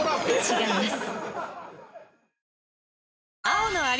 違います。